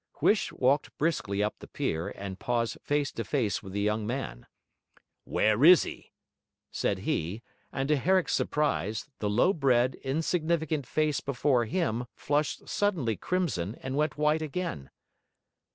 Huish walked briskly up the pier, and paused face to face with the young man. 'W'ere is 'e?' said he, and to Herrick's surprise, the low bred, insignificant face before him flushed suddenly crimson and went white again.